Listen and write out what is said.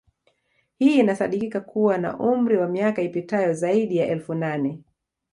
Hii inasadikika kuwa na umri wa miaka ipitayo zaidi ya elfu nane